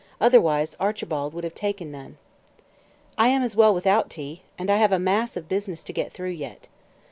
Otherwise, Archibald would have taken none." "I am as well without tea. And I have a mass of business to get through yet."